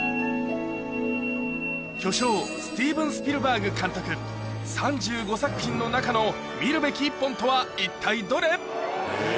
巨匠、スティーブン・スピルバーグ監督、３５作品の中の見るべき１本とは一体どれ？